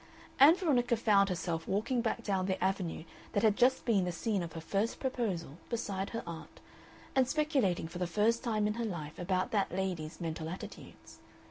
Ann Veronica found herself walking back down the Avenue that had just been the scene of her first proposal beside her aunt, and speculating for the first time in her life about that lady's mental attitudes.